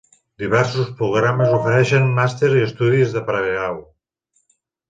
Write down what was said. Diversos programes ofereixen màsters i estudis de pregrau.